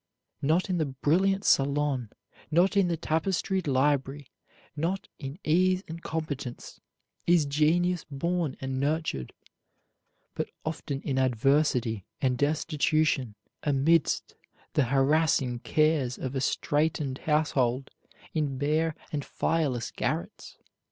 Not in the brilliant salon, not in the tapestried library, not in ease and competence, is genius born and nurtured; but often in adversity and destitution, amidst the harassing cares of a straitened household, in bare and fireless garrets.